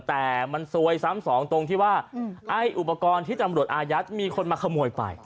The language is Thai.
แต่มันซวยซ้ำสองตรงที่ว่าไอ้อุปกรณ์ที่ตำรวจอายัดมีคนมาขโมยไป